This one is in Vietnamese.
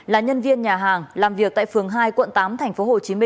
là nhân viên nhà hàng làm việc tại phường hai quận tám tp hcm